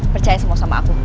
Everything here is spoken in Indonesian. percaya semua sama aku